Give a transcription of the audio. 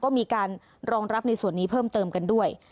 ก็มีการรองรับในส่วนนี้เพิ่มเติมกันด้วย